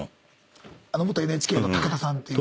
元ＮＨＫの武田さんっていう。